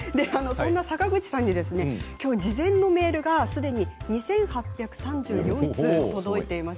そんな坂口さんにきょう事前のメールがすでに２８３４通届いています。